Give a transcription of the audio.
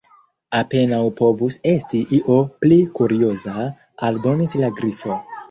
"Apenaŭ povus esti io pli kurioza," aldonis la Grifo.